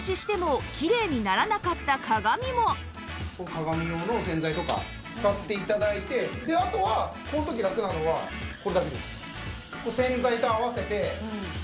鏡用の洗剤とか使って頂いてであとはこの時ラクなのはこれだけでいいんです。